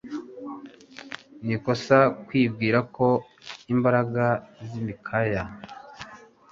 Ni ikosa kwibwira ko imbaraga z’imikaya